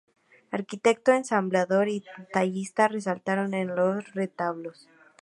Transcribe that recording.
Arquitecto, ensamblador y tallista, resaltando en los retablos.